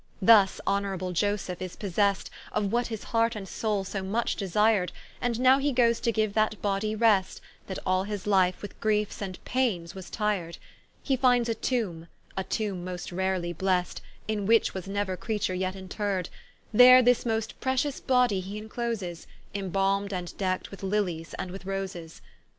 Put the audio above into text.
Thus honourable Ioseph is possest, Of what his heart and soule so much desired, And now he goes to giue that body rest, That all his life, with griefes and paines was tired; He finds a Tombe, a Tombe most rarely blest, In which was neuer creature yet interred; There this most pretious body he incloses, Inbalmd and deckt with Lillies and with Roses.